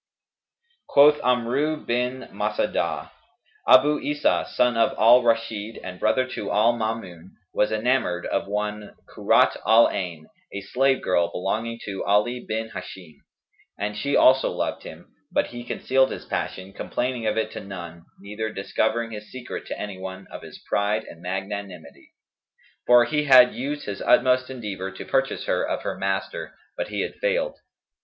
Quoth Amrϊ bin Masa'dah:[FN#212] "Abϊ Isα, son of al Rashνd and brother to al Maamun, was enamoured of one Kurrat al Ayn, a slave girl belonging to Ali bin Hishαm,[FN#213] and she also loved him; but he concealed his passion, complaining of it to none neither discovering his secret to anyone, of his pride and magnanimity; for he had used his utmost endeavour to purchase her of her master, but he had failed.